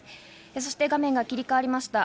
そして画面が切り替わりました。